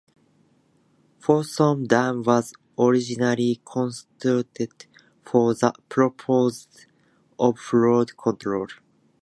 Folsom dam was originally constructed for the purposes of flood control.